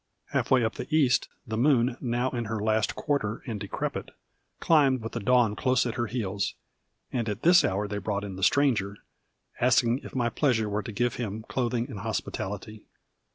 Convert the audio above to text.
Half way up the east, the moon, now in her last quarter and decrepit, climbed with the dawn close at her heels. And at this hour they brought in the Stranger, asking if my pleasure were to give him clothing and hospitality.